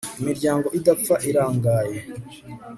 imiryango idapfa irangaye